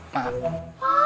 apakah aku yang salah